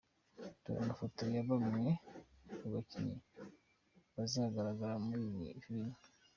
Dore amafoto ya bamwe mu bakinnyi bazagaragara muri iyi filime:.